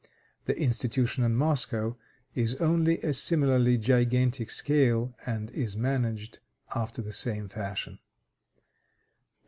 The institution at Moscow is on a similarly gigantic scale, and is managed after the same fashion.